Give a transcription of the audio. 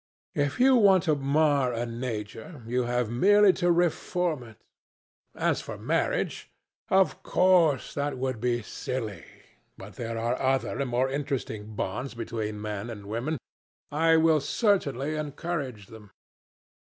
If you want to mar a nature, you have merely to reform it. As for marriage, of course that would be silly, but there are other and more interesting bonds between men and women. I will certainly encourage them.